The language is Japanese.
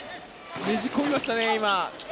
ねじ込みましたね、今。